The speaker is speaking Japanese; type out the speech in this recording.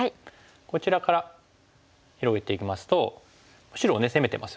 こちらから広げていきますと白をね攻めてますよね。